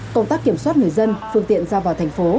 công tác kiểm soát người dân phương tiện ra vào thành phố